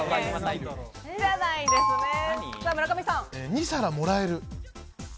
２皿もらえる。